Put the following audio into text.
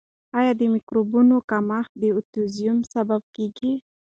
آیا د مایکروبونو کمښت د اوټیزم سبب کیږي؟